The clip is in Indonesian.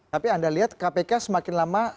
tapi anda lihat kpk semakin lama